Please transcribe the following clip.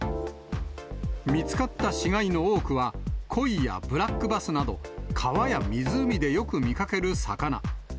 見つかった死骸の多くは、コイやブラックバスなど、川や湖でよく見かける魚。